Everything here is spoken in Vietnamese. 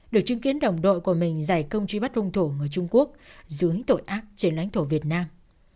được chứng kiến đồng đội của mình giải công truy bắt hung thủ người trung quốc dưới tội ác trên lãnh thổ việt nam